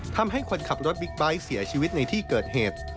ทำให้คนขับรถบิ๊กไบท์เสียชีวิตในที่เกิดเหตุ